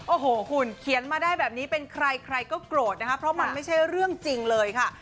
โอ้โหคุณเขียนมาได้แบบนี้เป็นใครใครก็โกรธนะคะเพราะมันไม่ใช่เรื่องจริงเลยค่ะ